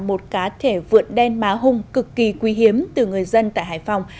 một cá thể vượn đen má hung cực kỳ quý hiếm từ người dân tại hải phòng